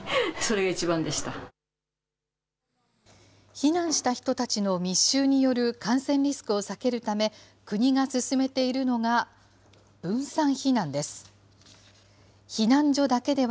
避難した人たちの密集による感染リスクを避けるため、国が勧めているのが、分散避難です。